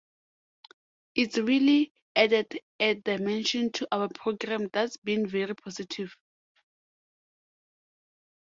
It's really added a dimension to our program that's been very positive.